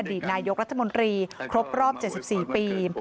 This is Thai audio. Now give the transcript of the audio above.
ดีตนายกรัฐมนตรีครบรอบ๗๔ปี